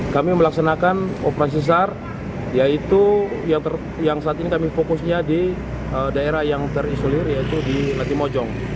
kami melaksanakan operasi sar yaitu yang saat ini kami fokusnya di daerah yang terisolir yaitu di latimojong